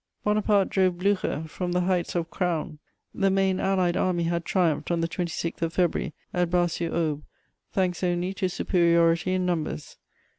Bonaparte drove Blücher from the heights of Craonne. The main allied army had triumphed on the 26th of February, at Bar sur Aube, thanks only to superiority in numbers.